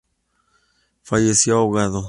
Falleció ahogado.